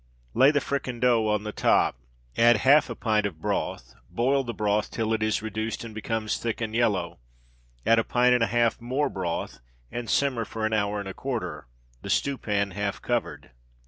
Lay the fricandeau on the top; add half a pint of broth; boil the broth till it is reduced and becomes thick and yellow; add a pint and a half more broth, and simmer for an hour and a quarter the stewpan half covered.